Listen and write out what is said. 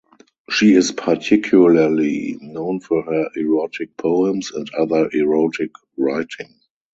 She is particularly known for her erotic poems and other erotic writing.